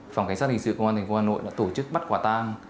phòng cảnh sát đình sự công an thành phố hà nội đã tổ chức bắt quả tang